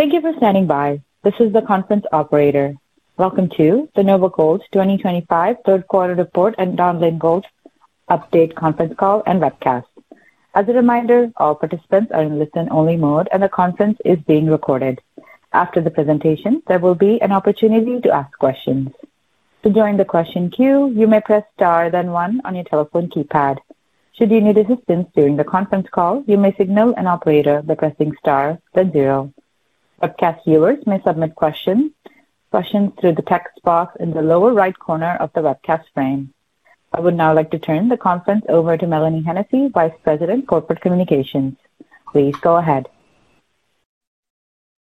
Thank you for standing by. This is the conference operator. Welcome to the NOVAGOLD 2025 Third Quarter Report and Donlin Gold Update Conference Call and Webcast. As a reminder, all participants are in listen-only mode and the conference is being recorded. After the presentation, there will be an opportunity to ask questions. To join the question queue, you may press Star then one on your telephone keypad. Should you need assistance during the conference call, you may signal an operator by pressing Star then zero. Webcast viewers may submit questions through the text box in the lower right corner of the webcast frame. I would now like to turn the conference over to Mélanie Hennessey, Vice President, Corporate Communications. Please go ahead.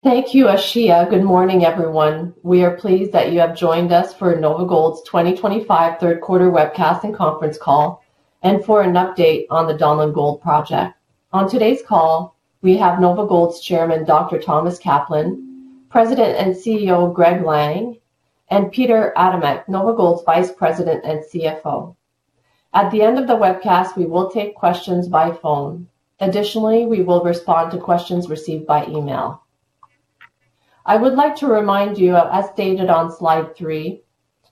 Thank you, Ashia. Good morning, everyone. We are pleased that you have joined us for NOVAGOLD's 2025 Third Quarter Webcast and Conference Call and for an update on the Donlin Gold project. On today's call, we have NOVAGOLD's Chairman, Dr. Thomas Kaplan, President and CEO Greg Lang, and Peter Adamek, NOVAGOLD.'s Vice President and CFO. At the end of the webcast, we will take questions by phone. Additionally, we will respond to questions received by email. I would like to remind you, as stated on slide three,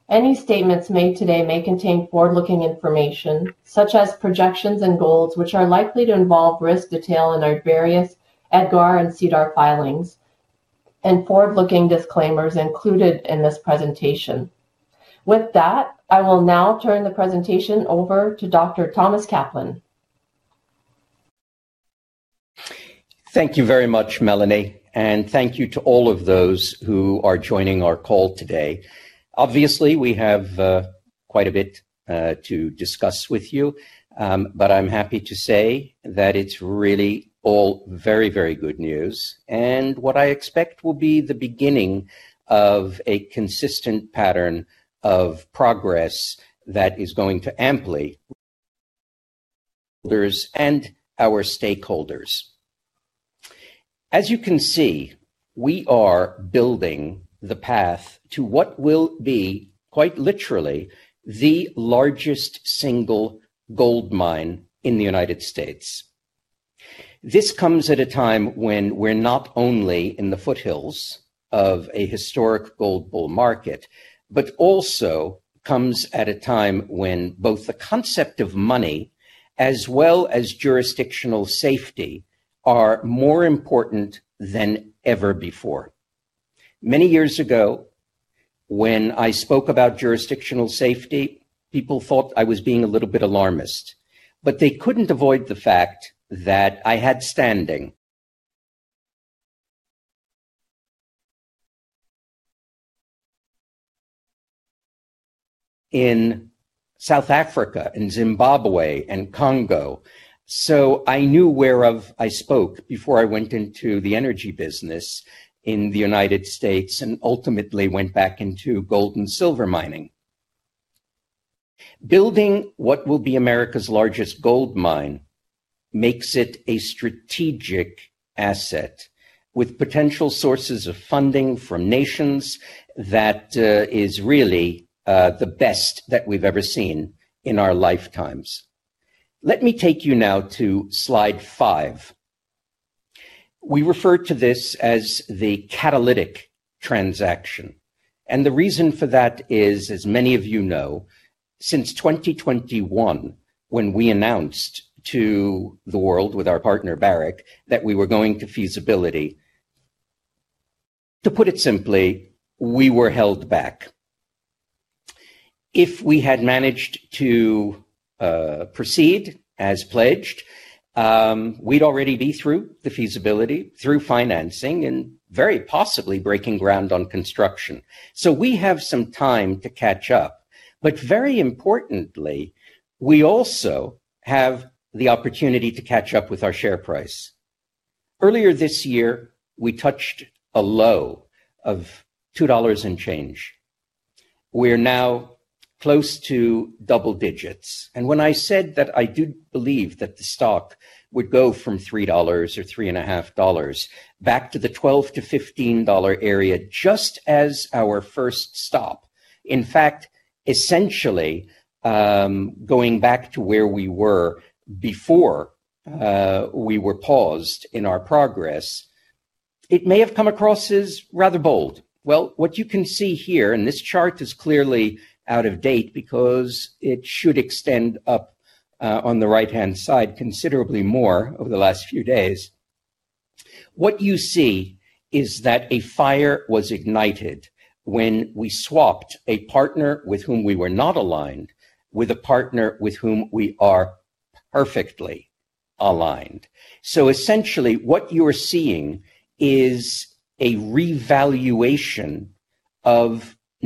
any statements made today may contain forward-looking information, such as projections and goals which are likely to involve risk detailed in our various EDGAR and SEDAR filings, and forward-looking disclaimers included in this presentation. With that, I will now turn the presentation over to Dr. Thomas Kaplan. Thank you very much, Melanie, and thank you to all of those who are joining our call today. Obviously, we have quite a bit to discuss with you, but I'm happy to say that it's really all very, very good news. What I expect will be the beginning of a consistent pattern of progress that is going to amply further and our stakeholders. As you can see, we are building the path to what will be, quite literally, the largest single gold mine in the United States. This comes at a time when we're not only in the foothills of a historic gold bull market, but also comes at a time when both the concept of money as well as jurisdictional safety are more important than ever before. Many years ago, when I spoke about jurisdictional safety, people thought I was being a little bit alarmist, but they couldn't avoid the fact that I had standing in South Africa, in Zimbabwe, and Congo. I knew where I spoke before I went into the energy business in the United States and ultimately went back into gold and silver mining. Building what will be America's largest gold mine makes it a strategic asset with potential sources of funding from nations that is really the best that we've ever seen in our lifetimes. Let me take you now to slide five. We refer to this as the catalytic transaction. The reason for that is, as many of you know, since 2021, when we announced to the world with our partner Barrick that we were going to feasibility, to put it simply, we were held back. If we had managed to proceed as pledged, we'd already be through the feasibility, through financing, and very possibly breaking ground on construction. We have some time to catch up. Very importantly, we also have the opportunity to catch up with our share price. Earlier this year, we touched a low of $2 and change. We're now close to double-digits. When I said that I do believe that the stock would go from $3 or $3.50 back to the $12-$15 area just as our first stop, in fact, essentially going back to where we were before we were paused in our progress, it may have come across as rather bold. What you can see here, and this chart is clearly out of date because it should extend up on the right-hand side considerably more over the last few days. What you see is that a fire was ignited when we swapped a partner with whom we were not aligned with a partner with whom we are perfectly aligned.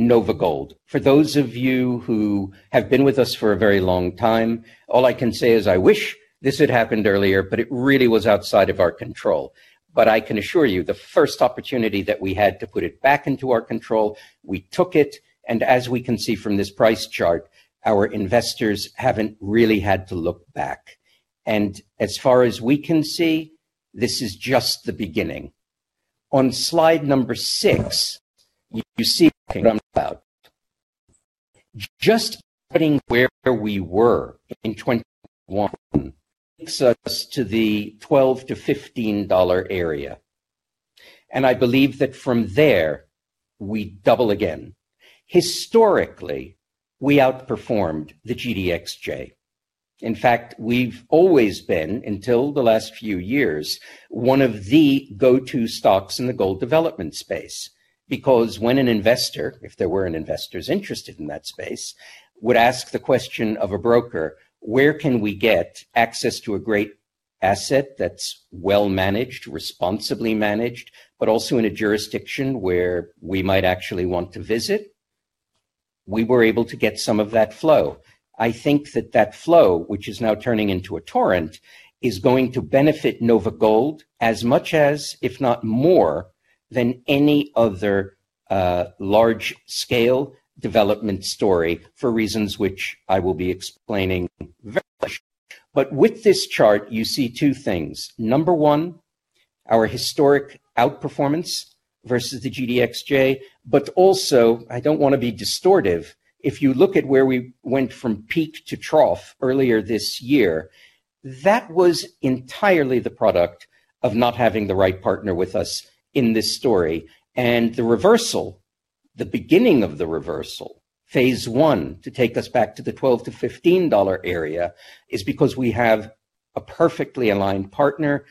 Essentially, what you are seeing is a revaluation of NOVAGOLD. For those of you who have been with us for a very long time, all I can say is I wish this had happened earlier, but it really was outside of our control. I can assure you, the first opportunity that we had to put it back into our control, we took it. As we can see from this price chart, our investors haven't really had to look back. As far as we can see, this is just the beginning. On slide number six, you see just putting where we were in 2021, so it's to the $12-$15 area. I believe that from there, we double again. Historically, we outperformed the GDXJ. In fact, we've always been, until the last few years, one of the go-to stocks in the gold development space because when an investor, if there were an investor interested in that space, would ask the question of a broker, where can we get access to a great asset that's well-managed, responsibly managed, but also in a jurisdiction where we might actually want to visit, we were able to get some of that flow. I think that that flow, which is now turning into a torrent, is going to benefit NOVAGOLD as much as, if not more, than any other large-scale development story for reasons which I will be explaining very much. With this chart, you see two things. Number one, our historic outperformance versus the GDXJ, but also, I don't want to be distortive. If you look at where we went from peak to trough earlier this year, that was entirely the product of not having the right partner with us in this story. The reversal, the beginning of the reversal, Phase I, to take us back to the $12 billion-$15 billion area is because we have a perfectly aligned partner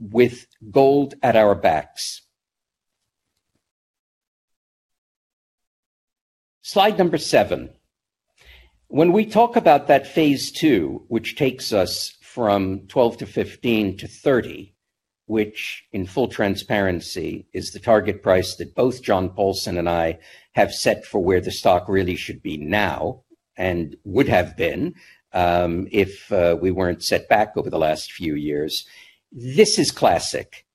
with gold at our backs. Slide number seven. When we talk about that Phase II, which takes us from $12 billion-$15 billion-$30 billion, which in full transparency is the target price that both John Paulson and I have set for where the stock really should be now and would have been if we weren't set back over the last few years, this is classic.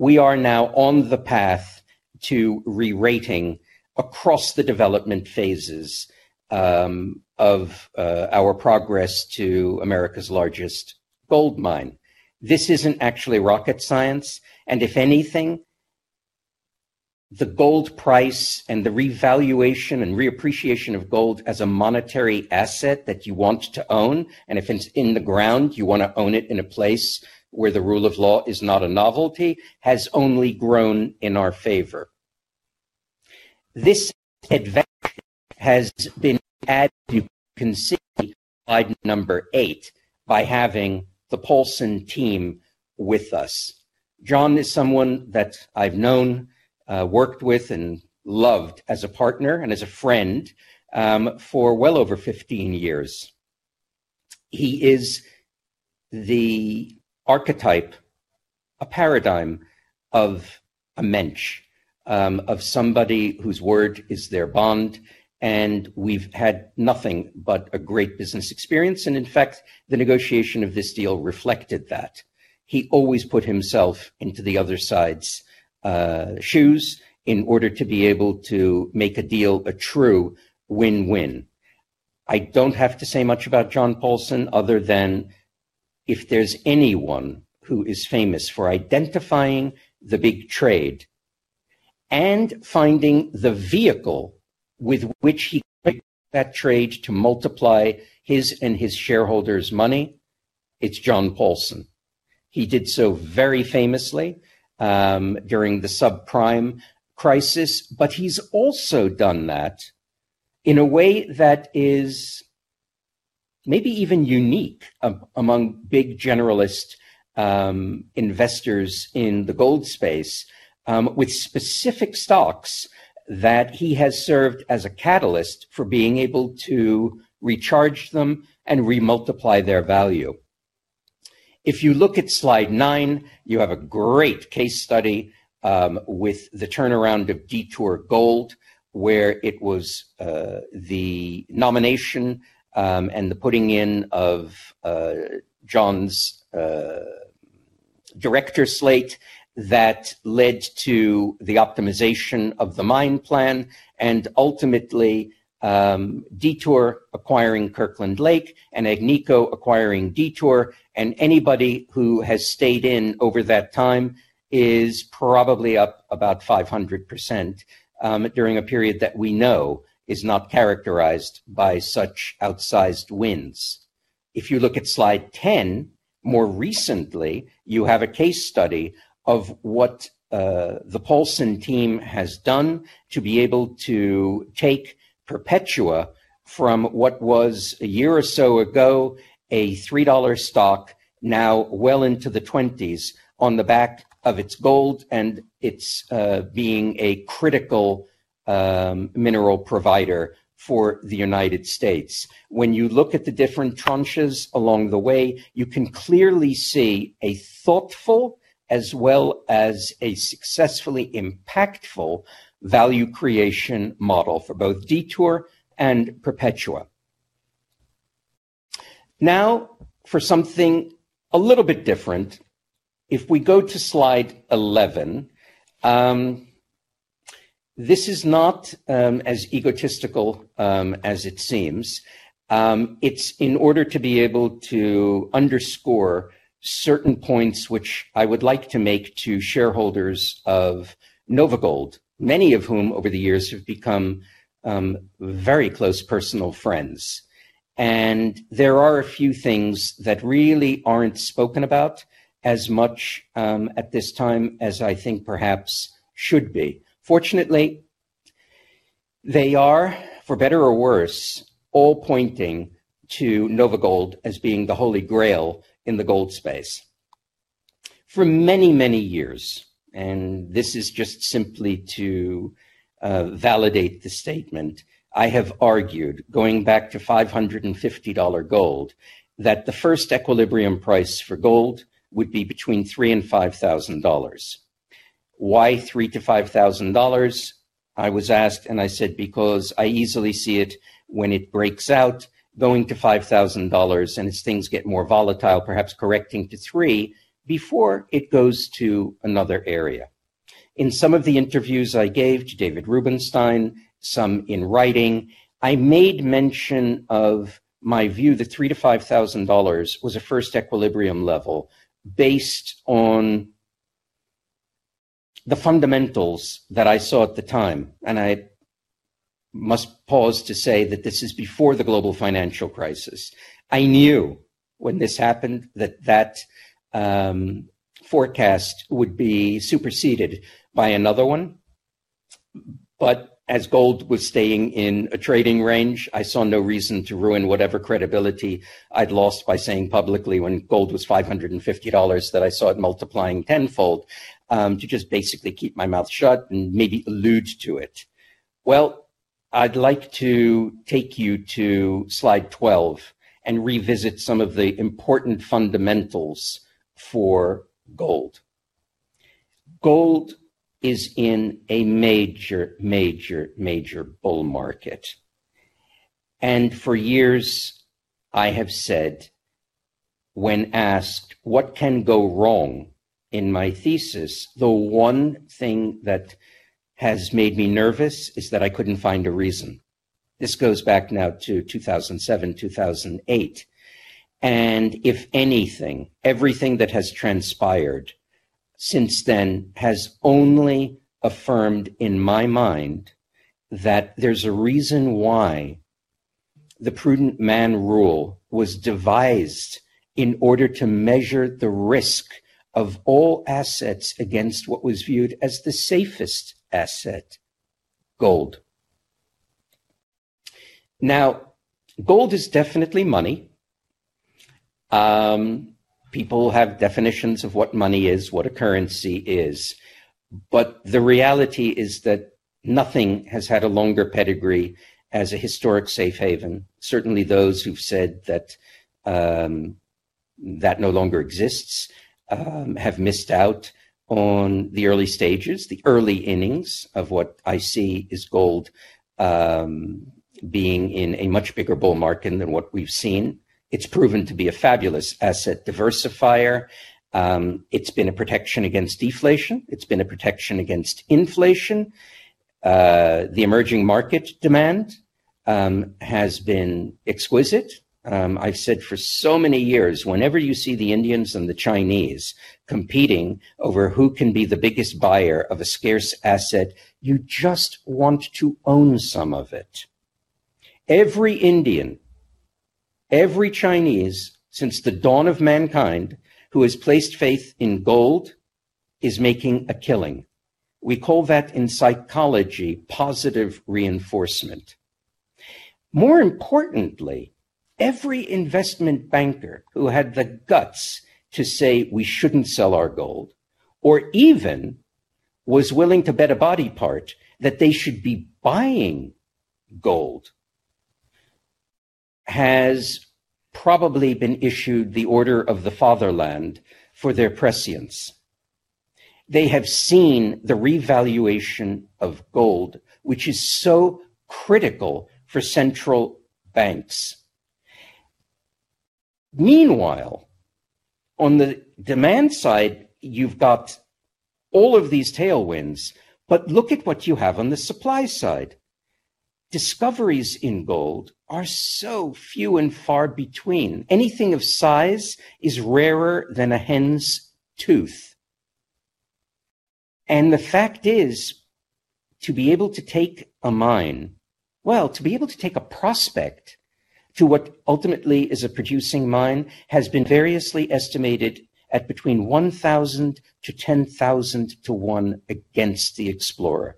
We are now on the path to re-rating across the development phases of our progress to America's largest gold mine. This isn't actually rocket science. If anything, the gold price and the revaluation and reappreciation of gold as a monetary asset that you want to own, and if it's in the ground, you want to own it in a place where the rule of law is not a novelty, has only grown in our favor. This advantage has been added to considering slide number eight by having the Paulson team with us. John is someone that I've known, worked with, and loved as a partner and as a friend for well over 15 years. He is the archetype, a paradigm of a mensch, of somebody whose word is their bond. We've had nothing but a great business experience. In fact, the negotiation of this deal reflected that. He always put himself into the other side's shoes in order to be able to make a deal a true win-win. I don't have to say much about John Paulson other than if there's anyone who is famous for identifying the big trade and finding the vehicle with which he can make that trade to multiply his and his shareholders' money, it's John Paulson. He did so very famously during the subprime crisis, but he's also done that in a way that is maybe even unique among big generalist investors in the gold space with specific stocks that he has served as a catalyst for being able to recharge them and re-multiply their value. If you look at slide nine, you have a great case study with the turnaround of Detour Gold, where it was the nomination and the putting in of John's director slate that led to the optimization of the mine plan and ultimately Detour acquiring Kirkland Lake and Agnico acquiring Detour. Anybody who has stayed in over that time is probably up about 500% during a period that we know is not characterized by such outsized wins. If you look at slide 10, more recently, you have a case study of what the Paulson team has done to be able to take Perpetua from what was a year or so ago a $3 stock now well into the $20s on the back of its gold and its being a critical mineral provider for the United States. When you look at the different tranches along the way, you can clearly see a thoughtful as well as a successfully impactful value creation model for both Detour and Perpetua. Now for something a little bit different. If we go to slide 11, this is not as egotistical as it seems. It's in order to be able to underscore certain points which I would like to make to shareholders of NOVAGOLD, many of whom over the years have become very close personal friends. There are a few things that really aren't spoken about as much at this time as I think perhaps should be. Fortunately, they are, for better or worse, all pointing to NOVAGOLD as being the holy grail in the gold space. For many, many years, and this is just simply to validate the statement, I have argued, going back to $550 gold, that the first equilibrium price for gold would be between $3,000 and $5,000. Why $3,000-$5,000? I was asked, and I said, because I easily see it when it breaks out, going to $5,000, and as things get more volatile, perhaps correcting to $3,000 before it goes to another area. In some of the interviews I gave to David Rubenstein, some in writing, I made mention of my view that $3,000-$5,000 was a first equilibrium level based on the fundamentals that I saw at the time. I must pause to say that this is before the global financial crisis. I knew when this happened that that forecast would be superseded by another one. As gold was staying in a trading range, I saw no reason to ruin whatever credibility I'd lost by saying publicly when gold was $550 that I saw it multiplying tenfold to just basically keep my mouth shut and maybe allude to it. I'd like to take you to slide 12 and revisit some of the important fundamentals for gold. Gold is in a major, major, major bull market. For years, I have said, when asked what can go wrong in my thesis, the one thing that has made me nervous is that I couldn't find a reason. This goes back now to 2007, 2008. If anything, everything that has transpired since then has only affirmed in my mind that there's a reason why the prudent man rule was devised in order to measure the risk of all assets against what was viewed as the safest asset, gold. Now, gold is definitely money. People have definitions of what money is, what a currency is. The reality is that nothing has had a longer pedigree as a historic safe haven. Certainly, those who've said that that no longer exists have missed out on the early stages, the early innings of what I see as gold being in a much bigger bull market than what we've seen. It's proven to be a fabulous asset diversifier. It's been a protection against deflation. It's been a protection against inflation. The emerging market demand has been exquisite. I've said for so many years, whenever you see the Indians and the Chinese competing over who can be the biggest buyer of a scarce asset, you just want to own some of it. Every Indian, every Chinese since the dawn of mankind who has placed faith in gold is making a killing. We call that in psychology positive reinforcement. More importantly, every investment banker who had the guts to say we shouldn't sell our gold or even was willing to bet a body part that they should be buying gold has probably been issued the order of the fatherland for their prescience. They have seen the revaluation of gold, which is so critical for central banks. Meanwhile, on the demand side, you've got all of these tailwinds, but look at what you have on the supply side. Discoveries in gold are so few and far between. Anything of size is rarer than a hen's tooth. The fact is, to be able to take a mine, to be able to take a prospect to what ultimately is a producing mine has been variously estimated at between 1,000-10,000-1 against the explorer.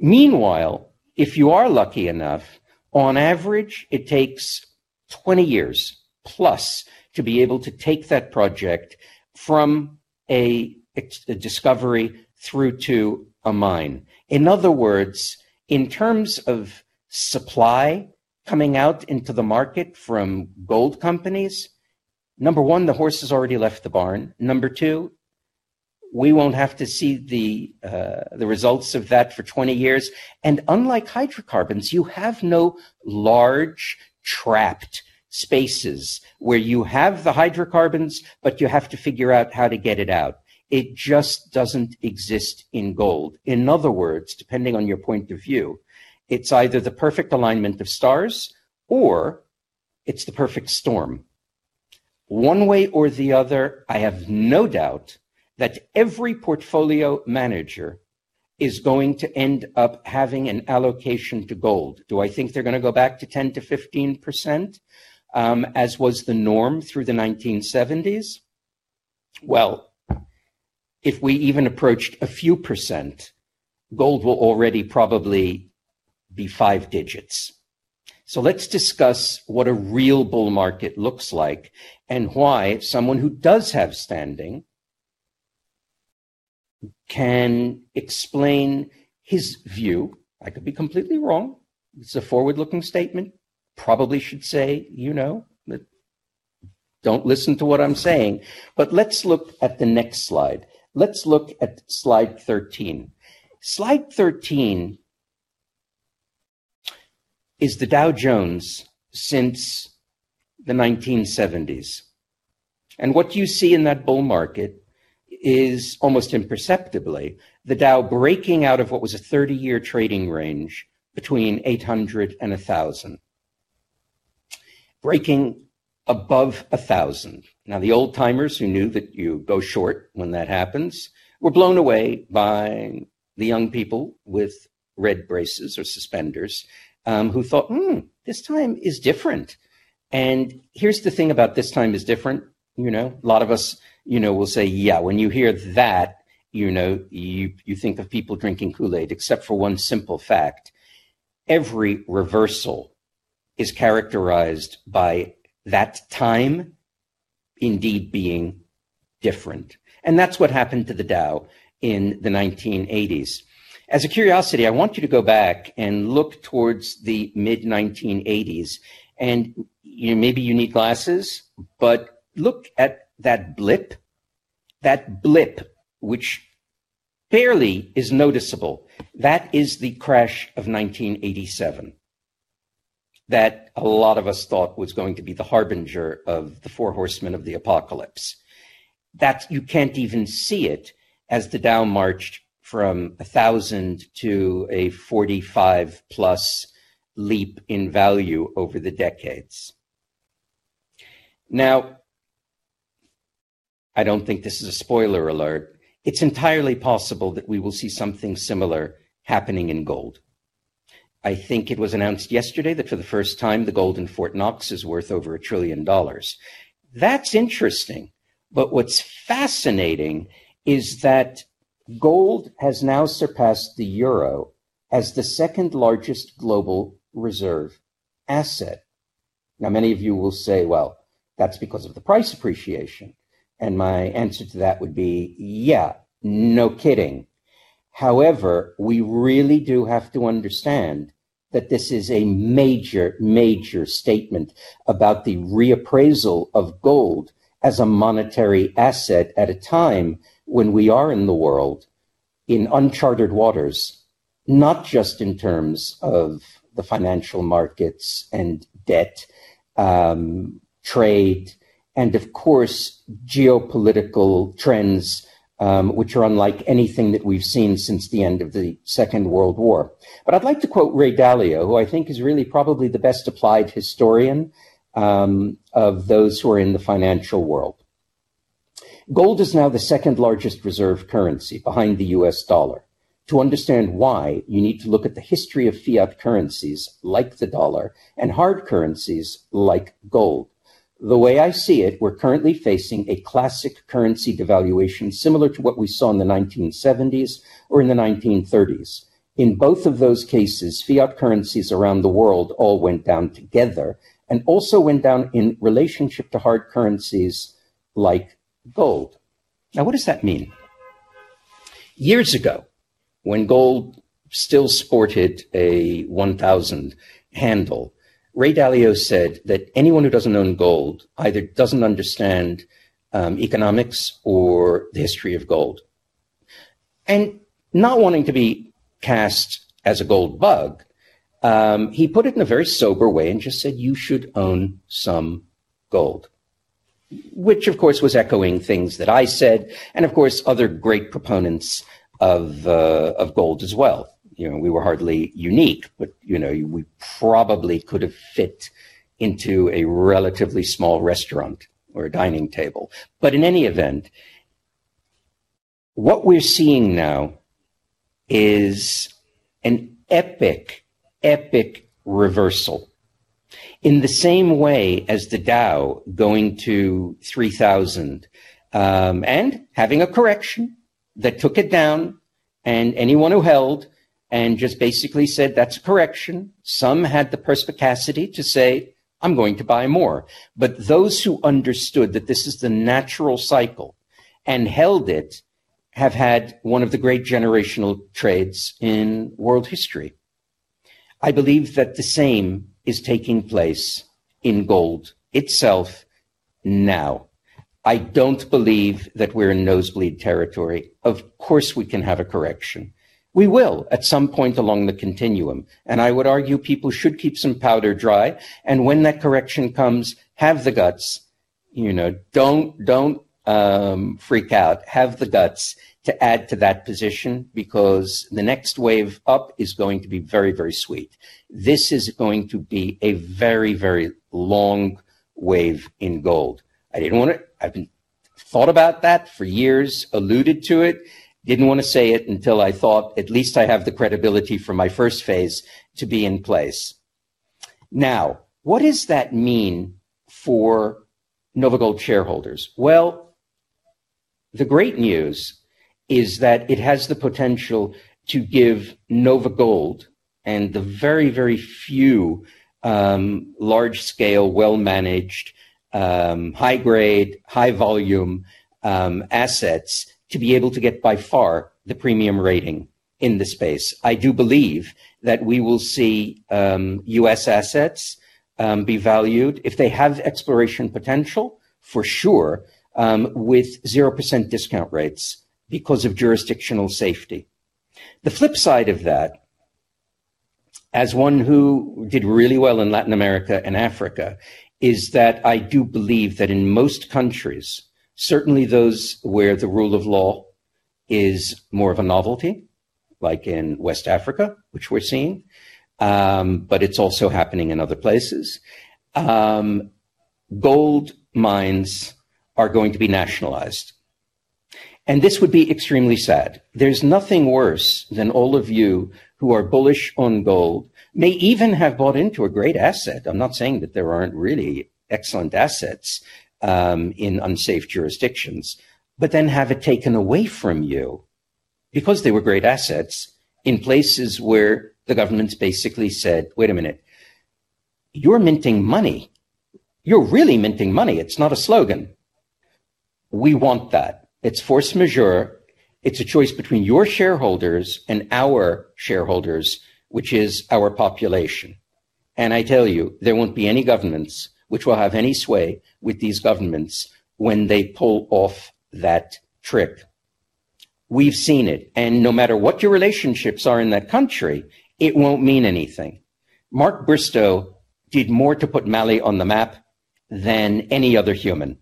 Meanwhile, if you are lucky enough, on average, it takes 20+ years to be able to take that project from a discovery through to a mine. In other words, in terms of supply coming out into the market from gold companies, number one, the horse has already left the barn. Number two, we won't have to see the results of that for 20 years. Unlike hydrocarbons, you have no large trapped spaces where you have the hydrocarbons, but you have to figure out how to get it out. It just doesn't exist in gold. In other words, depending on your point of view, it's either the perfect alignment of stars or it's the perfect storm. One way or the other, I have no doubt that every portfolio manager is going to end up having an allocation to gold. Do I think they're going to go back to 10%-15%, as was the norm through the 1970s? If we even approached a few percent, gold will already probably be five digits. Let's discuss what a real bull market looks like and why someone who does have standing can explain his view. I could be completely wrong. It's a forward-looking statement. Probably should say, you know, don't listen to what I'm saying. Let's look at the next slide. Let's look at slide 13. Slide 13 is the Dow Jones since the 1970s. What you see in that bull market is almost imperceptibly the Dow breaking out of what was a 30-year trading range between 800 and 1,000. Breaking above 1,000. The old-timers who knew that you go short when that happens were blown away by the young people with red braces or suspenders who thought this time is different. Here's the thing about this time is different. A lot of us will say, yeah, when you hear that, you think of people drinking Kool-Aid, except for one simple fact. Every reversal is characterized by that time indeed being different. That's what happened to the Dow in the 1980s. As a curiosity, I want you to go back and look towards the mid-1980s. You know, maybe you need glasses, but look at that blip. That blip, which barely is noticeable, is the crash of 1987 that a lot of us thought was going to be the harbinger of the four horsemen of the apocalypse. You can't even see it as the Dow marched from 1,000-45+ leap in value over the decades. I don't think this is a spoiler alert. It's entirely possible that we will see something similar happening in gold. I think it was announced yesterday that for the first time, the gold in Fort Knox is worth over $1 trillion. That's interesting. What's fascinating is that gold has now surpassed the euro as the second largest global reserve asset. Many of you will say, well, that's because of the price appreciation. My answer to that would be, yeah, no kidding. However, we really do have to understand that this is a major, major statement about the reappraisal of gold as a monetary asset at a time when we are in the world in uncharted waters, not just in terms of the financial markets and debt, trade, and of course, geopolitical trends, which are unlike anything that we've seen since the end of the Second World War. I'd like to quote Ray Dalio, who I think is really probably the best applied historian of those who are in the financial world. Gold is now the second largest reserve currency behind the U.S. dollar. To understand why, you need to look at the history of fiat currencies like the dollar and hard currencies like gold. The way I see it, we're currently facing a classic currency devaluation similar to what we saw in the 1970s or in the 1930s. In both of those cases, fiat currencies around the world all went down together and also went down in relationship to hard currencies like gold. What does that mean? Years ago, when gold still sported a 1,000 handle, Ray Dalio said that anyone who doesn't own gold either doesn't understand economics or the history of gold. Not wanting to be cast as a gold bug, he put it in a very sober way and just said, you should own some gold, which of course was echoing things that I said and of course other great proponents of gold as well. We were hardly unique, but we probably could have fit into a relatively small restaurant or a dining table. In any event, what we're seeing now is an epic, epic reversal in the same way as the Dow going to 3,000 and having a correction that took it down and anyone who held and just basically said, that's a correction. Some had the perspicacity to say, I'm going to buy more. Those who understood that this is the natural cycle and held it have had one of the great generational trades in world history. I believe that the same is taking place in gold itself now. I don't believe that we're in nosebleed territory. Of course, we can have a correction. We will at some point along the continuum. I would argue people should keep some powder dry. When that correction comes, have the guts. You know, don't freak out. Have the guts to add to that position because the next wave up is going to be very, very sweet. This is going to be a very, very long wave in gold. I didn't want to. I've thought about that for years, alluded to it. Didn't want to say it until I thought at least I have the credibility for my first phase to be in place. Now, what does that mean for NOVAGOLD shareholders? The great news is that it has the potential to give NOVAGOLD and the very, very few large-scale, well-managed, high-grade, high-volume assets to be able to get by far the premium rating in this space. I do believe that we will see U.S. assets be valued if they have exploration potential for sure with 0% discount rates because of jurisdictional safety. The flip side of that, as one who did really well in Latin America and Africa, is that I do believe that in most countries, certainly those where the rule of law is more of a novelty, like in West Africa, which we're seeing, but it's also happening in other places, gold mines are going to be nationalized. This would be extremely sad. There's nothing worse than all of you who are bullish on gold, may even have bought into a great asset. I'm not saying that there aren't really excellent assets in unsafe jurisdictions, but then have it taken away from you because they were great assets in places where the governments basically said, wait a minute, you're minting money. You're really minting money. It's not a slogan. We want that. It's force majeure. It's a choice between your shareholders and our shareholders, which is our population. I tell you, there won't be any governments which will have any sway with these governments when they pull off that trip. We've seen it. No matter what your relationships are in that country, it won't mean anything. Mark Bristow did more to put Mali on the map than any other human.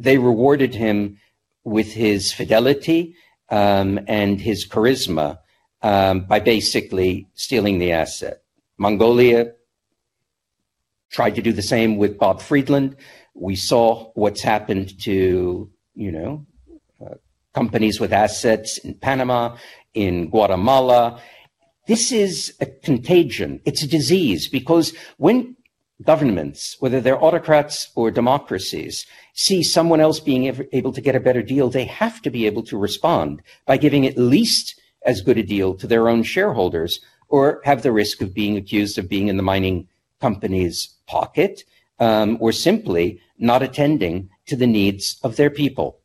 They rewarded him with his fidelity and his charisma by basically stealing the asset. Mongolia tried to do the same with Bob Friedland. We saw what's happened to companies with assets in Panama, in Guatemala. This is a contagion. It's a disease because when governments, whether they're autocrats or democracies, see someone else being able to get a better deal, they have to be able to respond by giving at least as good a deal to their own shareholders or have the risk of being accused of being in the mining company's pocket or simply not attending to the needs of their people.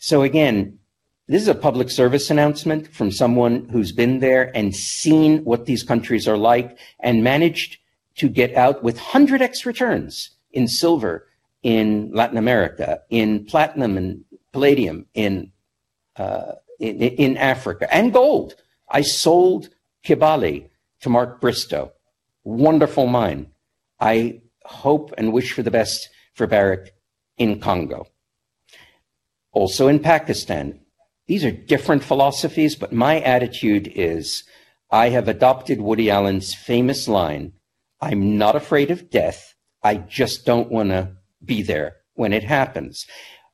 This is a public service announcement from someone who's been there and seen what these countries are like and managed to get out with 100x returns in silver in Latin America, in platinum and palladium in Africa, and gold. I sold Kibali to Mark Bristow. Wonderful mine. I hope and wish for the best for Barrick in Congo. Also in Pakistan. These are different philosophies, but my attitude is I have adopted Woody Allen's famous line, "I'm not afraid of death. I just don't want to be there when it happens."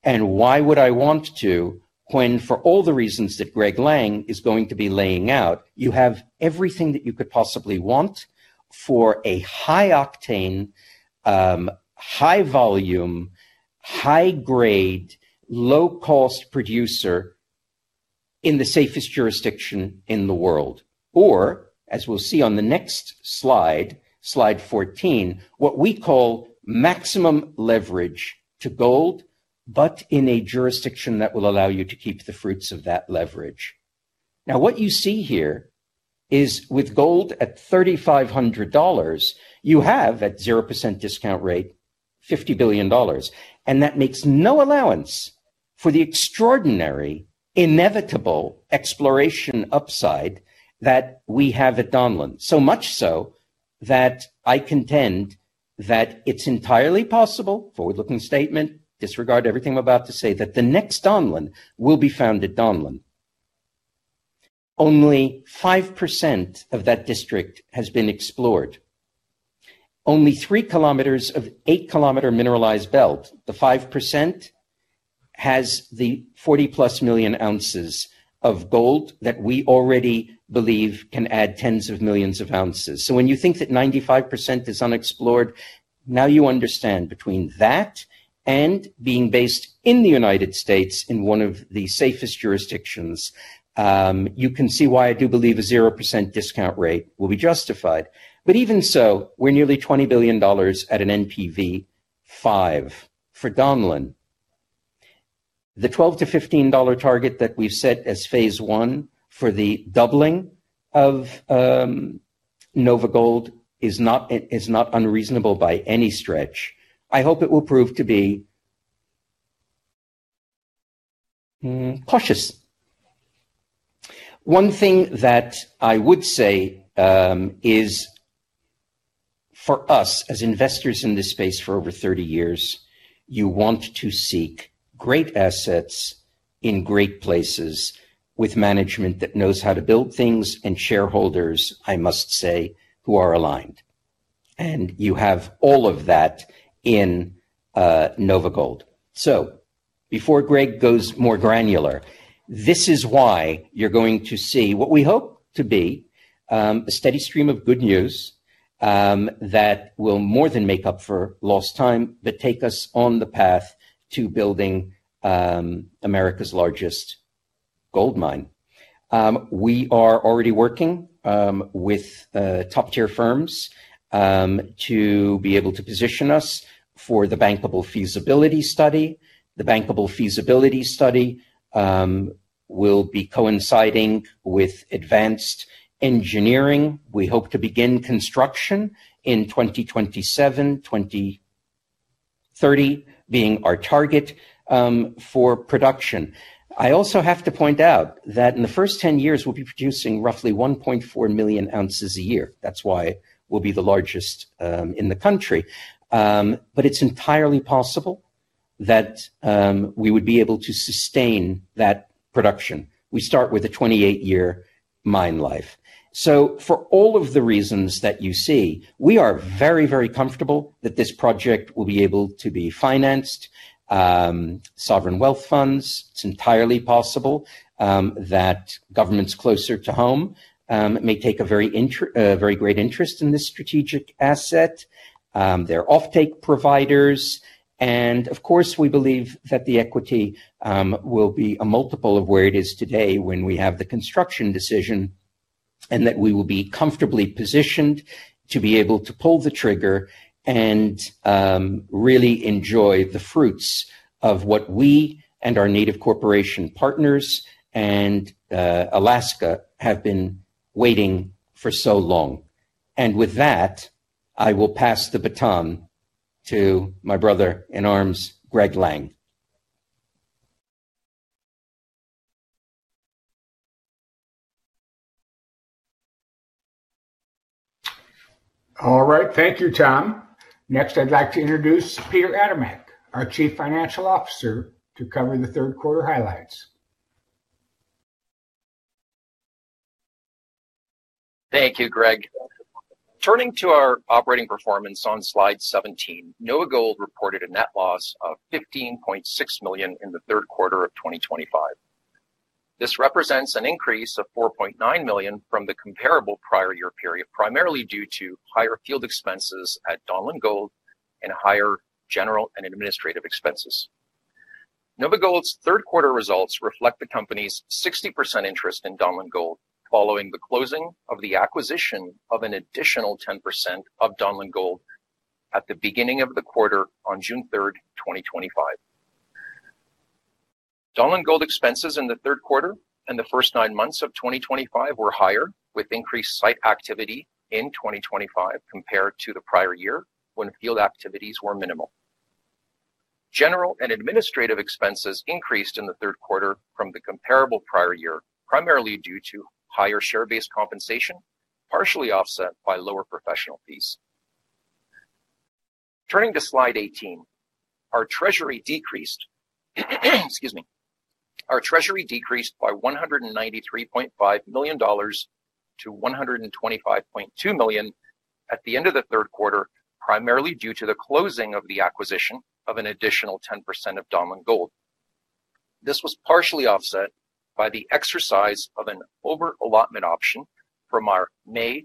Why would I want to when for all the reasons that Greg Lang is going to be laying out, you have everything that you could possibly want for a high octane, high volume, high grade, low cost producer in the safest jurisdiction in the world. As we'll see on the next slide, slide 14, what we call maximum leverage to gold, but in a jurisdiction that will allow you to keep the fruits of that leverage. What you see here is with gold at $3,500, you have at 0% discount rate $50 billion. That makes no allowance for the extraordinary inevitable exploration upside that we have at Donlin. I contend that it's entirely possible, forward-looking statement, disregard everything I'm about to say, that the next Donlin will be found at Donlin. Only 5% of that district has been explored. Only 3 km of 8 km mineralized belt, the 5% has the 40+ million ounces of gold that we already believe can add tens of millions of ounces. When you think that 95% is unexplored, now you understand between that and being based in the United States in one of the safest jurisdictions, you can see why I do believe a 0% discount rate will be justified. Even so, we're nearly $20 billion at an NPV 5 for Donlin. The $12 billion-$15 billion target that we've set as Phase I for the doubling of NOVAGOLD is not unreasonable by any stretch. I hope it will prove to be cautious. One thing that I would say is for us as investors in this space for over 30 years, you want to seek great assets in great places with management that knows how to build things and shareholders, I must say, who are aligned. You have all of that in NOVAGOLD. Before Greg goes more granular, this is why you're going to see what we hope to be a steady stream of good news that will more than make up for lost time, but take us on the path to building America's largest gold mine. We are already working with top-tier firms to be able to position us for the bankable feasibility study. The bankable feasibility study will be coinciding with advanced engineering. We hope to begin construction in 2027, 2030 being our target for production. I also have to point out that in the first 10 years, we'll be producing roughly 1.4 million ounces a year. That's why we'll be the largest in the country. It's entirely possible that we would be able to sustain that production. We start with a 28-year mine life. For all of the reasons that you see, we are very, very comfortable that this project will be able to be financed. Sovereign wealth funds, it's entirely possible that governments closer to home may take a very great interest in this strategic asset. They're off-take providers. Of course, we believe that the equity will be a multiple of where it is today when we have the construction decision and that we will be comfortably positioned to be able to pull the trigger and really enjoy the fruits of what we and our Native Corporation partners and Alaska have been waiting for so long. With that, I will pass the baton to my brother in arms, Greg Lang. All right. Thank you, Tom. Next, I'd like to introduce Peter Adamek, our Chief Financial Officer, to cover the third quarter highlights. Thank you, Greg. Turning to our operating performance on slide 17, NOVAGOLD reported a net loss of $15.6 million in the third quarter of 2025. This represents an increase of $4.9 million from the comparable prior year period, primarily due to higher field expenses at Donlin Gold and higher general and administrative expenses. NOVAGOLD's third quarter results reflect the company's 60% interest in Donlin Gold following the closing of the acquisition of an additional 10% of Donlin Gold at the beginning of the quarter on June 3rd, 2025. Donlin Gold expenses in the third quarter and the first nine months of 2025 were higher, with increased site activity in 2025 compared to the prior year when field activities were minimal. General and administrative expenses increased in the third quarter from the comparable prior year, primarily due to higher share-based compensation, partially offset by lower professional fees. Turning to slide 18, our treasury decreased by $193.5 million-$125.2 million at the end of the third quarter, primarily due to the closing of the acquisition of an additional 10% of Donlin Gold. This was partially offset by the exercise of an overallotment option from our May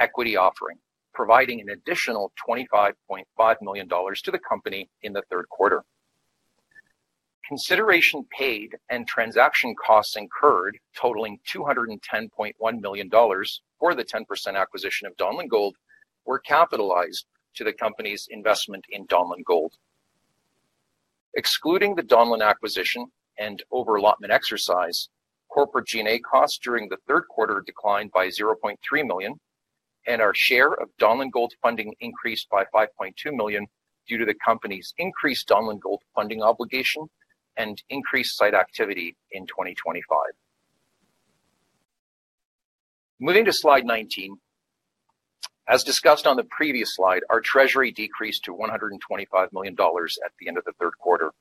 equity offering, providing an additional $25.5 million to the company in the third quarter. Consideration paid and transaction costs incurred, totaling $210.1 million for the 10% acquisition of Donlin Gold, were capitalized to the company's investment in Donlin Gold. Excluding the Donlin acquisition and overallotment exercise, corporate G&A costs during the third quarter declined by $0.3 million, and our share of Donlin Gold funding increased by $5.2 million due to the company's increased Donlin Gold funding obligation and increased site activity in 2025. Moving to slide 19, as discussed on the previous slide, our treasury decreased to $125 million at the end of the third quarter.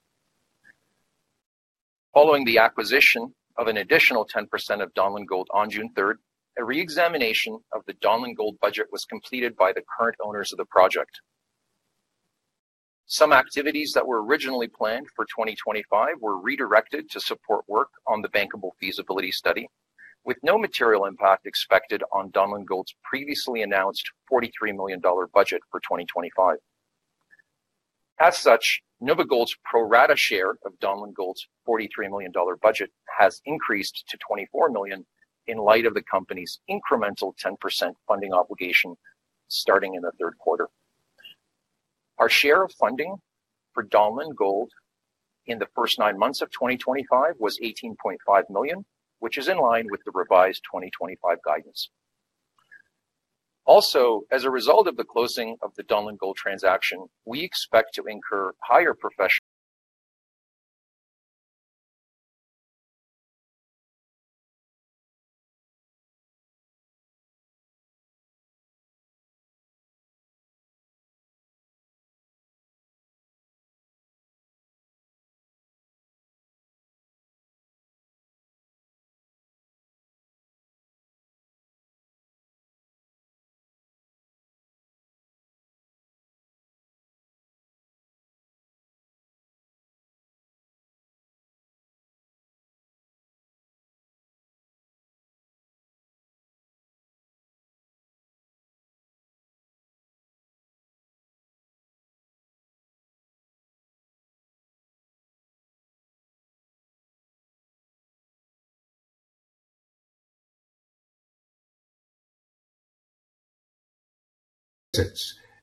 Following the acquisition of an additional 10% of Donlin Gold on June 3rd, a re-examination of the Donlin Gold budget was completed by the current owners of the project. Some activities that were originally planned for 2025 were redirected to support work on the bankable feasibility study, with no material impact expected on Donlin Gold's previously announced $43 million budget for 2025. As such, NOVAGOLD's pro-rata share of Donlin Gold's $43 million budget has increased to $24 million in light of the company's incremental 10% funding obligation starting in the third quarter. Our share of funding for Donlin Gold in the first nine months of 2025 was $18.5 million, which is in line with the revised 2025 guidance. Also, as a result of the closing of the Donlin Gold transaction, we expect to incur higher professional.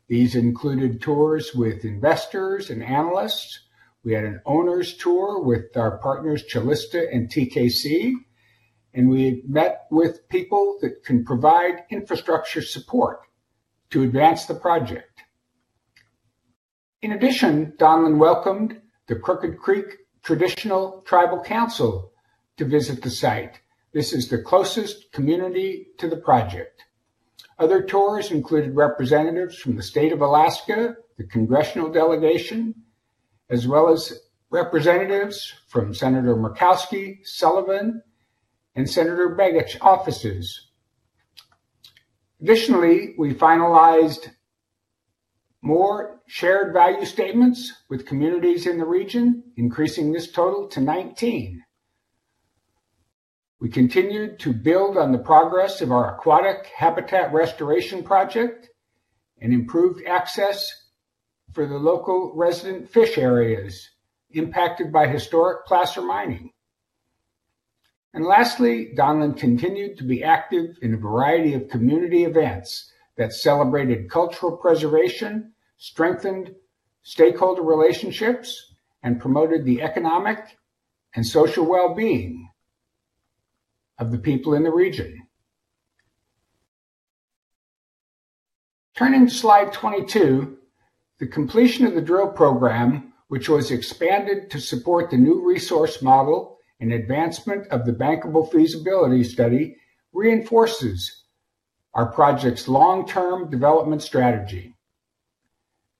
These included tours with investors and analysts. We had an owner's tour with our partners Calista and TKC, and we met with people that can provide infrastructure support to advance the project. In addition, Donlin welcomed the Crooked Creek Traditional Tribal Council to visit the site. This is the closest community to the project. Other tours included representatives from the State of Alaska, the congressional delegation, as well as representatives from Senator Murkowski, Sullivan, and Senator Begich offices. Additionally, we finalized more shared value statements with communities in the region, increasing this total to 19. We continued to build on the progress of our aquatic habitat restoration project and improved access for the local resident fish areas impacted by historic placer mining. Lastly, Donlin continued to be active in a variety of community events that celebrated cultural preservation, strengthened stakeholder relationships, and promoted the economic and social well-being of the people in the region. Turning to slide 22, the completion of the drill program, which was expanded to support the new resource model and advancement of the bankable feasibility study, reinforces our project's long-term development strategy.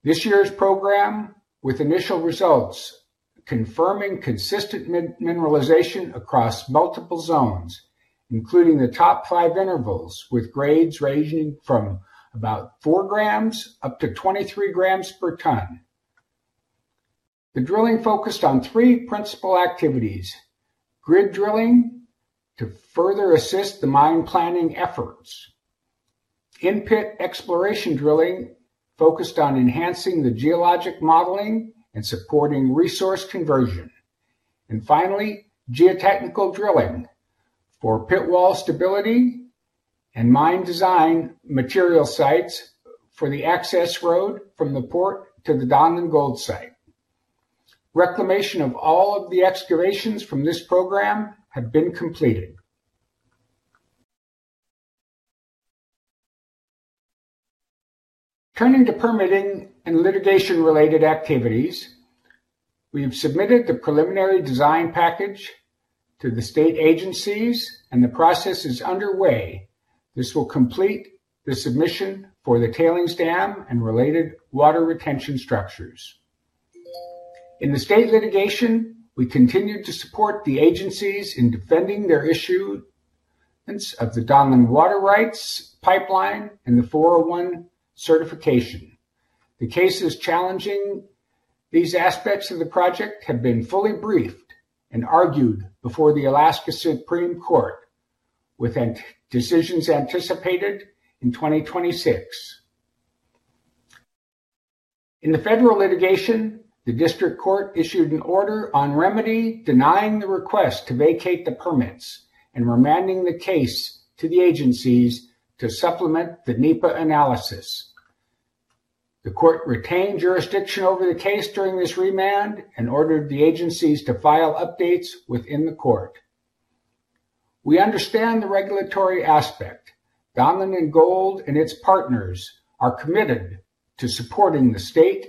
This year's program, with initial results confirming consistent mineralization across multiple zones, included the top five intervals with grades ranging from about 4 g up to 23 g per ton. The drilling focused on three principal activities: grid drilling to further assist the mine planning efforts, in-pit exploration drilling focused on enhancing the geologic modeling and supporting resource conversion, and finally, geotechnical drilling for pit wall stability and mine design material sites for the access road from the port to the Donlin Gold site. Reclamation of all of the excavations from this program has been completed. Turning to permitting and litigation-related activities, we've submitted the preliminary design package to the state agencies, and the process is underway. This will complete the submission for the tailings dam and related water retention structures. In the state litigation, we continue to support the agencies in defending their issue of the Donlin Water Rights Pipeline and the 401 certification. The cases challenging these aspects of the project have been fully briefed and argued before the Alaska Supreme Court, with decisions anticipated in 2026. In the federal litigation, the district court issued an order on remedy, denying the request to vacate the permits and remanding the case to the agencies to supplement the NEPA analysis. The court retained jurisdiction over the case during this remand and ordered the agencies to file updates within the court. We understand the regulatory aspect. Donlin Gold and its partners are committed to supporting the state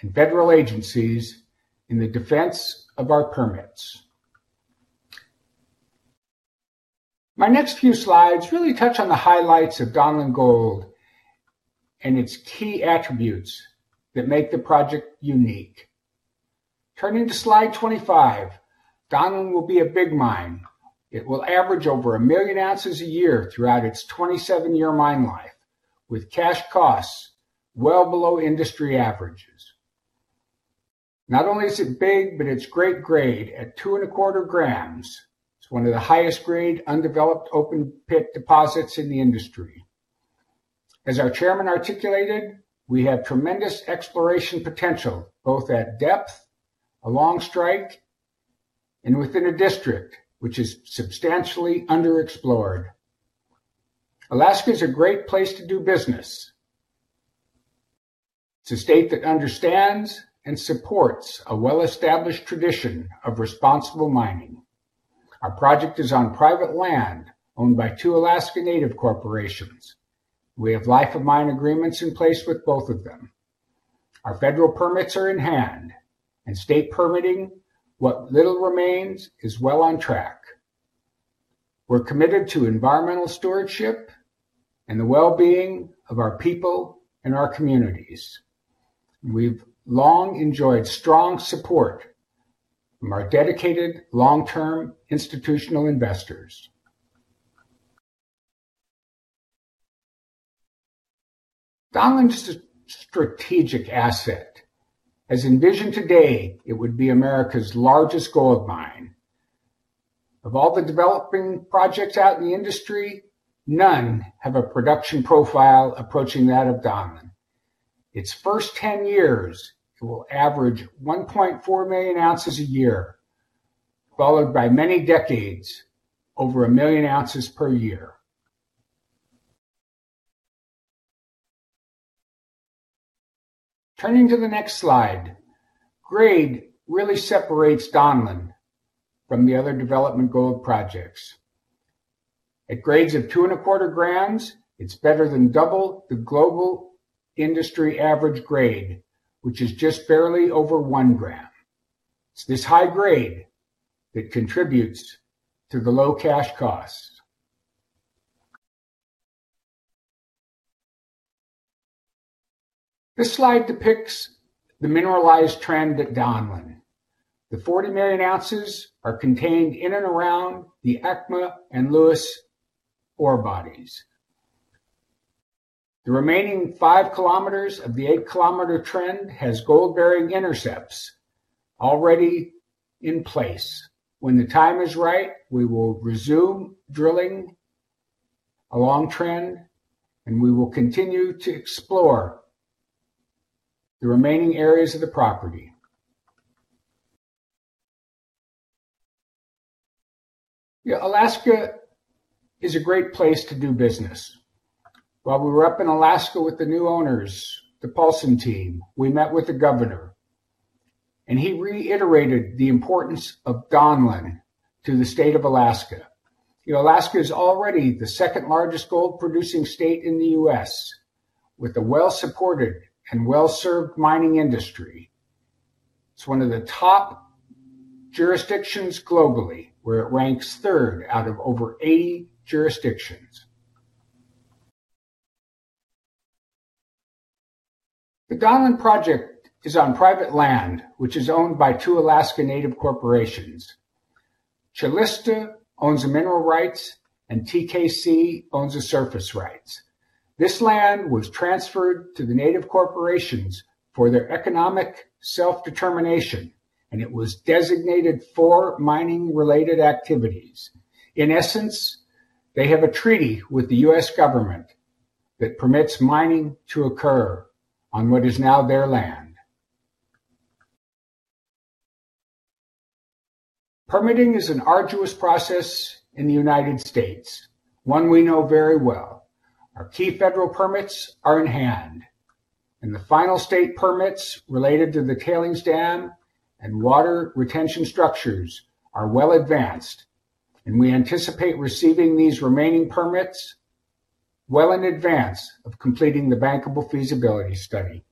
and federal agencies in the defense of our permits. My next few slides really touch on the highlights of Donlin Gold and its key attributes that make the project unique. Turning to slide 25, Donlin will be a big mine. It will average over a million ounces a year throughout its 27-year mine life, with cash costs well below industry averages. Not only is it big, but it's great grade at 2.25 g, one of the highest grade undeveloped open pit deposits in the industry. As our Chairman articulated, we have tremendous exploration potential both at depth, along strike, and within a district which is substantially underexplored. Alaska is a great place to do business, a state that understands and supports a well-established tradition of responsible mining. Our project is on private land owned by two Alaska Native corporations. We have life-of-mine agreements in place with both of them. Our federal permits are in hand, and state permitting, what little remains, is well on track. We're committed to environmental stewardship and the well-being of our people and our communities. We've long enjoyed strong support from our dedicated long-term institutional investors. Donlin is a strategic asset. As envisioned today, it would be America's largest gold mine. Of all the developing projects out in the industry, none have a production profile approaching that of Donlin. Its first 10 years, it will average 1.4 million ounces a year, followed by many decades over a million ounces per year. Turning to the next slide, grade really separates Donlin from the other development gold projects. At grades of 2.25 g, it's better than double the global industry average grade, which is just barely over 1 gram. It's this high grade that contributes to the low cash costs. This slide depicts the mineralized trend at Donlin. The 40 million ounces are contained in and around the ACMA and Lewis ore bodies. The remaining 5 km of the 8-km trend have gold-bearing intercepts already in place. When the time is right, we will resume drilling along trend, and we will continue to explore the remaining areas of the property. Alaska is a great place to do business. While we were up in Alaska with the new owners, the Paulson team, we met with the governor, and he reiterated the importance of Donlin to the state of Alaska. Alaska is already the second largest gold-producing state in the U.S., with a well-supported and well-served mining industry. It's one of the top jurisdictions globally, where it ranks third out of over 80 jurisdictions. The Donlin project is on private land, which is owned by two Alaska Native corporations. Calista owns the mineral rights, and TKC owns the surface rights. This land was transferred to the Native corporations for their economic self-determination, and it was designated for mining-related activities. In essence, they have a treaty with the U.S. government that permits mining to occur on what is now their land. Permitting is an arduous process in the United States, one we know very well. Our key federal permits are in hand, and the final state permits related to the tailings dam and water retention structures are well advanced, and we anticipate receiving these remaining permits well in advance of completing the bankable feasibility study.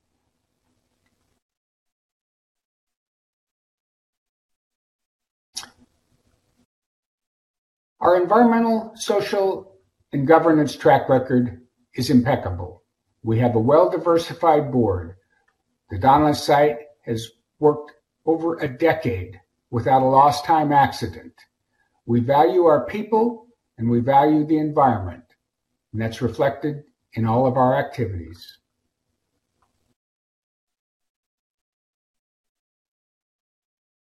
Our environmental, social, and governance track record is impeccable. We have a well-diversified board. The Donlin site has worked over a decade without a lost time accident. We value our people, and we value the environment, and that's reflected in all of our activities.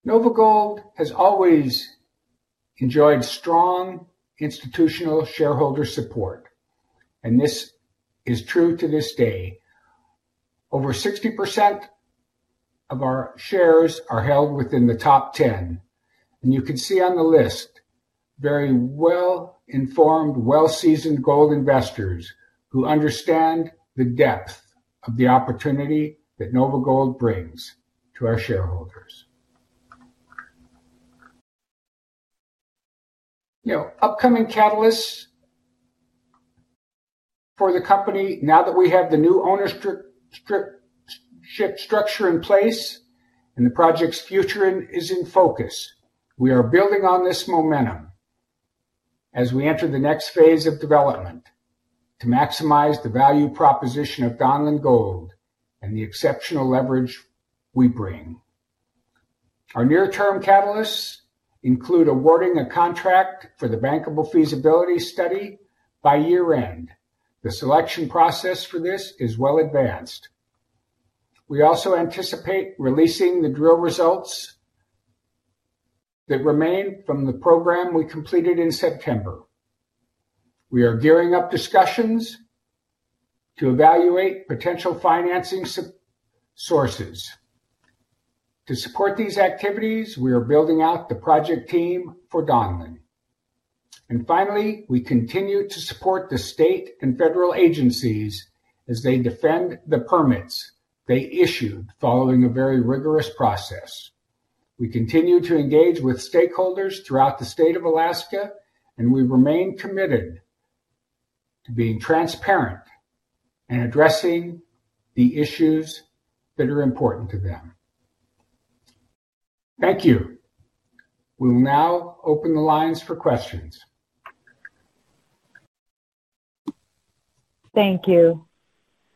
NOVAGOLD has always enjoyed strong institutional shareholder support, and this is true to this day. Over 60% of our shares are held within the top 10, and you can see on the list very well-informed, well-seasoned gold investors who understand the depth of the opportunity that NOVAGOLD brings to our shareholders. Upcoming catalysts for the company, now that we have the new ownership structure in place and the project's future is in focus, we are building on this momentum as we enter the next phase of development to maximize the value proposition of Donlin Gold and the exceptional leverage we bring. Our near-term catalysts include awarding a contract for the bankable feasibility study by year-end. The selection process for this is well advanced. We also anticipate releasing the drill results that remain from the program we completed in September. We are gearing up discussions to evaluate potential financing sources. To support these activities, we are building out the project team for Donlin. Finally, we continue to support the state and federal agencies as they defend the permits they issued following a very rigorous process. We continue to engage with stakeholders throughout the state of Alaska, and we remain committed to being transparent and addressing the issues that are important to them. Thank you. We'll now open the lines for questions. Thank you.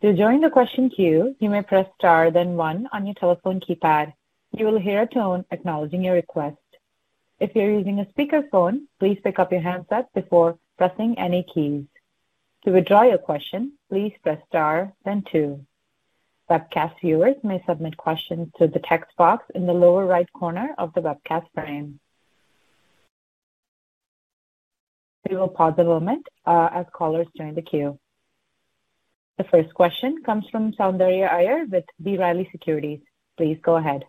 To join the question queue, you may press Star then one on your telephone keypad. You will hear a tone acknowledging your request. If you're using a speaker phone, please pick up your handset before pressing any keys. To withdraw your question, please press Star then two. Webcast viewers may submit questions through the text box in the lower right corner of the webcast frame. We will pause a moment as callers join the queue. The first question comes from Soundaria AOer with B. Riley Securities. Please go ahead.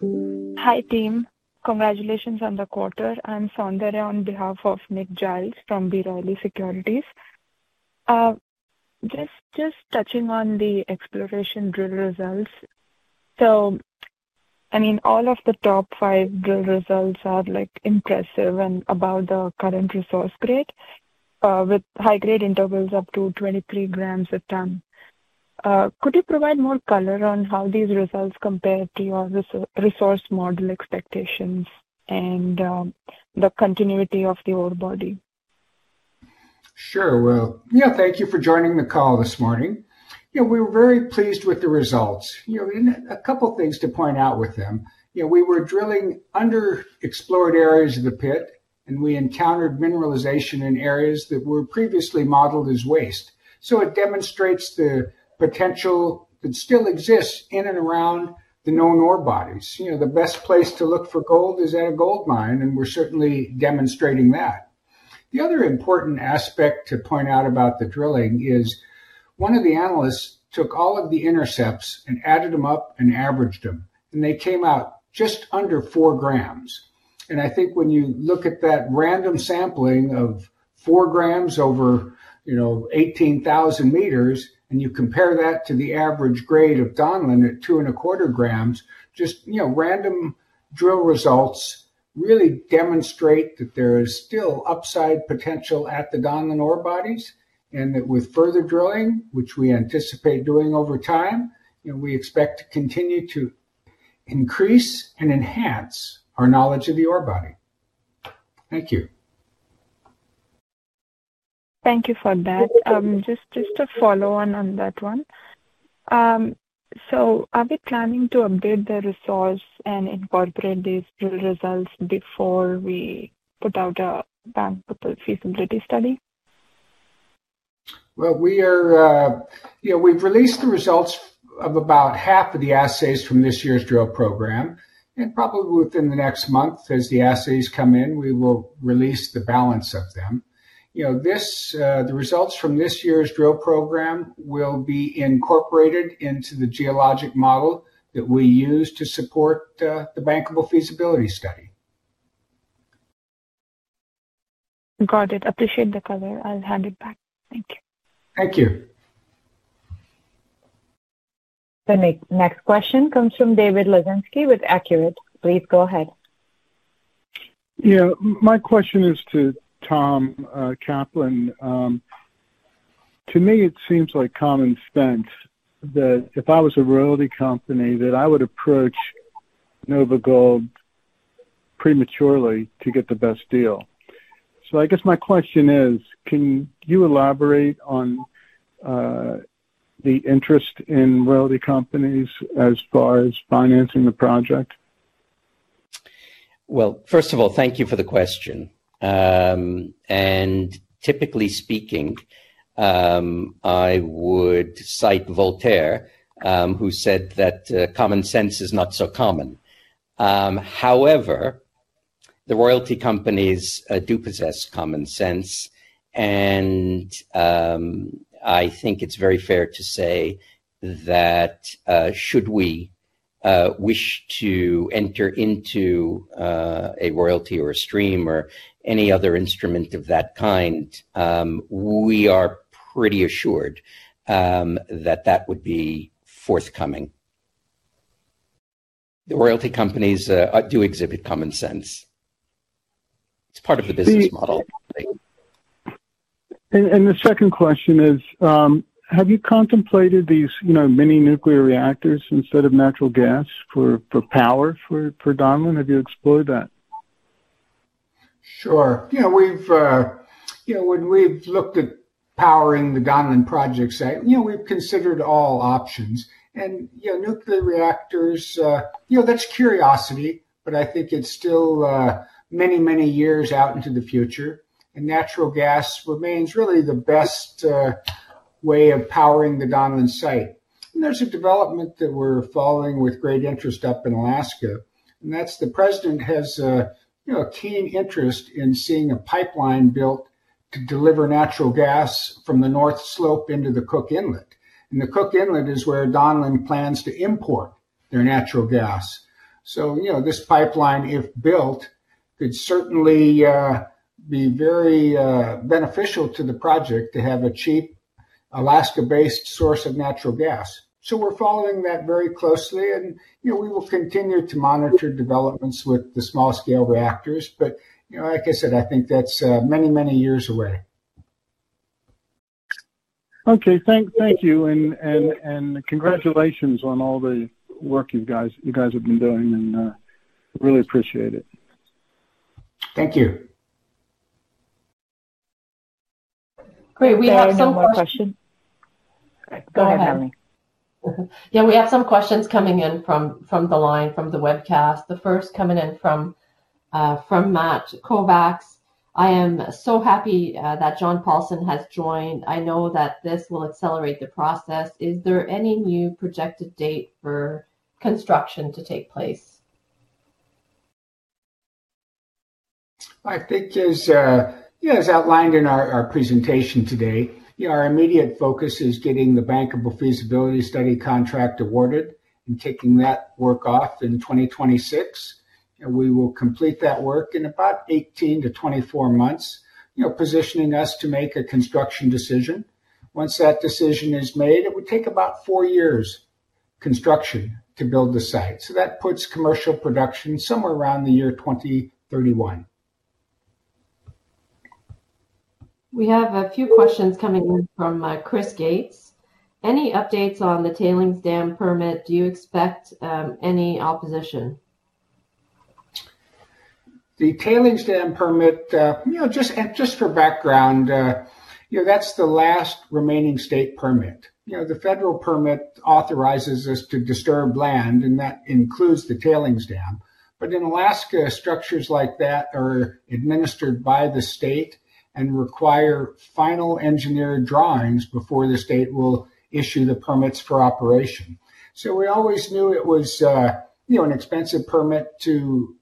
Hi, team. Congratulations on the quarter. I'm Soundaria on behalf of Nick Giles from B. Riley Securities. Just touching on the exploration drill results. All of the top five drill results are impressive and above the current resource grade, with high-grade intervals up to 23 g a ton. Could you provide more color on how these results compare to your resource model expectations and the continuity of the ore body? Sure. Thank you for joining the call this morning. We were very pleased with the results. A couple of things to point out with them. We were drilling under-explored areas of the pit, and we encountered mineralization in areas that were previously modeled as waste. It demonstrates the potential that still exists in and around the known ore bodies. The best place to look for gold is in a gold mine, and we're certainly demonstrating that. The other important aspect to point out about the drilling is one of the analysts took all of the intercepts and added them up and averaged them, and they came out just under 4 g. I think when you look at that random sampling of 4 g over 18,000 m and you compare that to the average grade of Donlin at 2.25 g, just random drill results really demonstrate that there is still upside potential at the Donlin ore bodies and that with further drilling, which we anticipate doing over time, we expect to continue to increase and enhance our knowledge of the ore body. Thank you. Thank you for that. Just a follow-on on that one. Are we planning to update the resource and incorporate these drill results before we put out a bankable feasibility study? We are, you know, we've released the results of about half of the assays from this year's drill program, and probably within the next month, as the assays come in, we will release the balance of them. The results from this year's drill program will be incorporated into the geologic model that we use to support the bankable feasibility study. Got it. Appreciate the cover. I'll hand it back. Thank you. Thank you. The next question comes from David Lozinski with Accurate. Please go ahead. Yeah, my question is to Dr. Tom Kaplan. To me, it seems like common sense that if I was a royalty company, I would approach NOVAGOLD prematurely to get the best deal. I guess my question is, can you elaborate on the interest in royalty companies as far as financing the project? Thank you for the question. Typically speaking, I would cite Voltaire, who said that common sense is not so common. However, the royalty companies do possess common sense, and I think it's very fair to say that should we wish to enter into a royalty or a stream or any other instrument of that kind, we are pretty assured that that would be forthcoming. The royalty companies do exhibit common sense. It's part of the business model. The second question is, have you contemplated these, you know, mini nuclear reactors instead of natural gas for power for Donlin? Have you explored that? Sure. Yeah, we've, you know, when we've looked at powering the Donlin project, we've considered all options. Nuclear reactors, that's curiosity, but I think it's still many, many years out into the future. Natural gas remains really the best way of powering the Donlin site. There's a development that we're following with great interest up in Alaska. The president has a keen interest in seeing a pipeline built to deliver natural gas from the North Slope into the Cook Inlet. The Cook Inlet is where Donlin plans to import their natural gas. This pipeline, if built, could certainly be very beneficial to the project to have a cheap Alaska-based source of natural gas. We're following that very closely, and we will continue to monitor developments with the small-scale reactors. Like I said, I think that's many, many years away. Thank you. Congratulations on all the work you guys have been doing, and I really appreciate it. Thank you. Wait, we have some questions. Go ahead, Melanie. Yeah, we have some questions coming in from the line, from the webcast. The first coming in from Matt Kovacs. I am so happy that John Paulson has joined. I know that this will accelerate the process. Is there any new projected date for construction to take place? I think there's, you know, as outlined in our presentation today, our immediate focus is getting the bankable feasibility study contract awarded and taking that work off in 2026. We will complete that work in about 18 to 24 months, you know, positioning us to make a construction decision. Once that decision is made, it would take about four years construction to build the site. That puts commercial production somewhere around the year 2031. We have a few questions coming in from Chris Gates. Any updates on the tailings dam permit? Do you expect any opposition? The tailings dam permit, just for background, that's the last remaining state permit. The federal permit authorizes us to disturb land, and that includes the tailings dam. In Alaska, structures like that are administered by the state and require final engineer drawings before the state will issue the permits for operation. We always knew it was an expensive permit to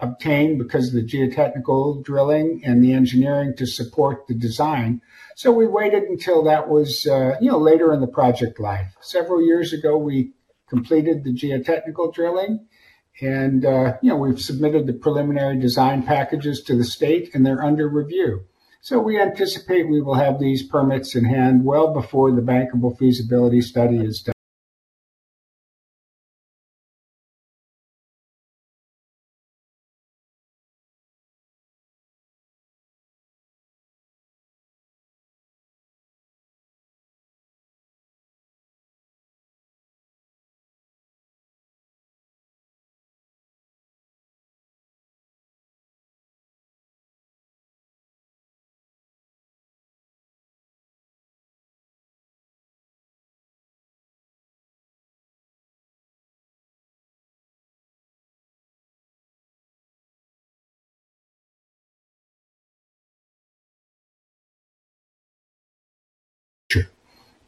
obtain because of the geotechnical drilling and the engineering to support the design. We waited until that was later in the project life. Several years ago, we completed the geotechnical drilling, and we've submitted the preliminary design packages to the state, and they're under review. We anticipate we will have these permits in hand well before the bankable feasibility study is done.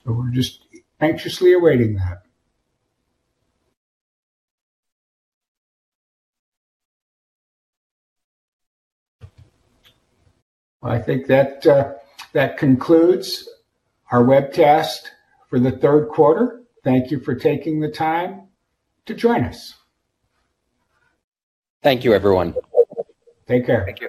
I'm just anxiously awaiting that. I think that concludes our webcast for the third quarter. Thank you for taking the time to join us. Thank you, everyone. Take care. Thank you.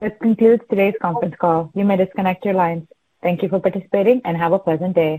This concludes today's conference call. You may disconnect your lines. Thank you for participating and have a pleasant day.